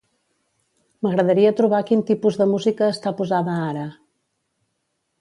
M'agradaria trobar quin tipus de música està posada ara.